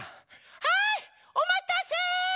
はいおまたせ！